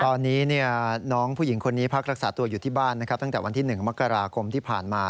ตอนนี้น้องผู้หญิงคนนี้พักรักษาตัวอยู่ที่บ้านนะครับตั้งแต่วันที่๑มกราคมที่ผ่านมา